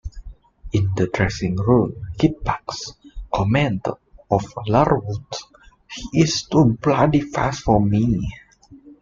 In the dressing room, Kippax commented of Larwood, "he's too bloody fast for me".